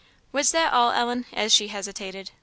"Was that all, Ellen?" as she hesitated.